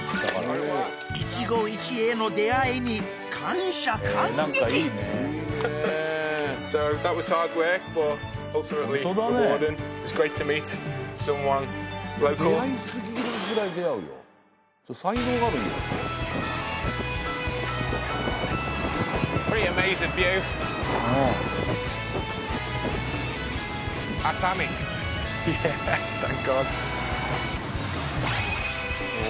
一期一会の出会いに感謝感激お。